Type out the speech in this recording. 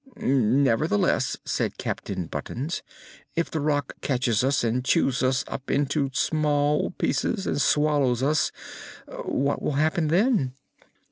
"Nevertheless," said Captain Buttons, "if the Rak catches us, and chews us up into small pieces, and swallows us what will happen then?"